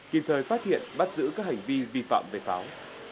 kịp thời phát hiện bắt giữ các hành vi vi phạm về pháo